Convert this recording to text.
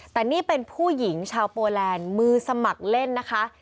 แต่นี่เป็นผู้หญิงชาวโปแลนด์มือสมัครเล่นนะคะ